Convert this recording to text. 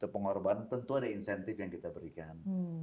tapi pengorban tentu ada insentif yang kita berikan